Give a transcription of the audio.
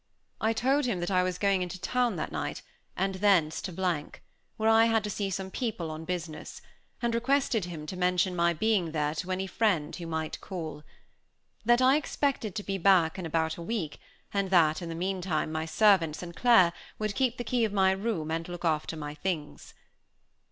I told him that I was going into town that night, and thence to , where I had to see some people on business, and requested him to mention my being there to any friend who might call. That I expected to be back in about a week, and that in the meantime my servant, St. Clair, would keep the key of my room and look after my things.